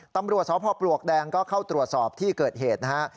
ตำรวจสพปลวกแดงก็เข้าตรวจสอบที่เกิดเหตุนะฮะ